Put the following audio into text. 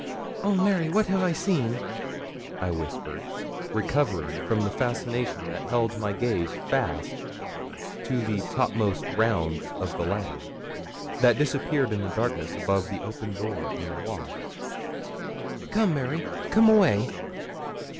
'Oh, Mary, what have I seen!' I whispered, recovering from the fascination that held my gaze fast to the topmost rounds of the ladder, that disappeared in the darkness above the open door in the loft. 'Come, Mary come away.'